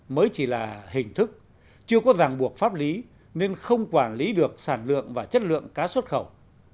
mới chỉ là hình thức chưa có ràng buộc pháp lý nên không quản lý được sản lượng và chất lượng cá xuất khẩu